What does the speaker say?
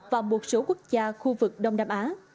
và một số quốc gia khu vực đông nam á